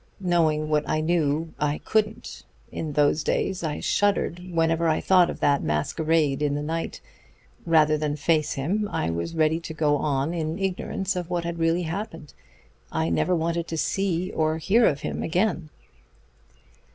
Knowing what I knew, I couldn't. In those days I shuddered whenever I thought of that masquerade in the night. Rather than face him, I was ready to go on in ignorance of what had really happened. I never wanted to see or hear of him again."